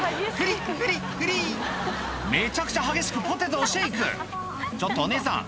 めちゃくちゃ激しくポテトをシェイクちょっとお姉さん